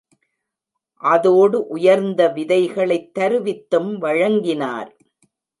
அதோடு உயர்ந்த விதைகளைத் தருவித்தும் வழங்கினார்.